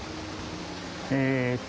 えっと